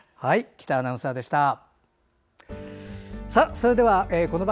喜多アナウンサーでした。